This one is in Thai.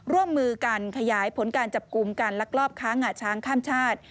ร่วมมือกันขยายผลการจับกลุ่มการลักลอบค้างงาช้างข้ามชาติ